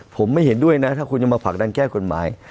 ผมไม่เห็นด้วยนะถ้าคุณจะมาผลักดันแก้กฎหมาย